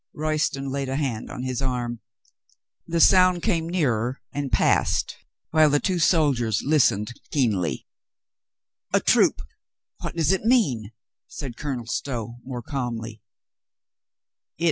Royston laid a hand on his arm. The sound came nearer and passed, while the two sol diers listened keenly. "A troop. What does it mean?" said Colonel Stow more calmly.